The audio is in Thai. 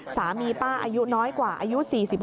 สามีป้าอายุน้อยกว่าอายุ๔๖